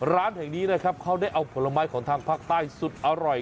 ร้านแห่งนี้นะครับเขาได้เอาผลไม้ของทางภาคใต้สุดอร่อย